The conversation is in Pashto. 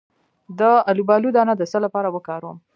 د الوبالو دانه د څه لپاره وکاروم؟